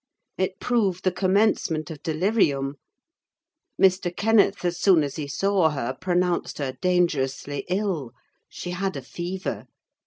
It proved the commencement of delirium: Mr. Kenneth, as soon as he saw her, pronounced her dangerously ill; she had a fever.